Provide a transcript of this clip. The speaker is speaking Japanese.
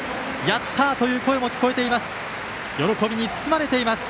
やったという声も聞こえています。